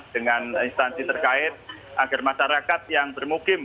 dengan instansi terkait agar masyarakat yang bermukim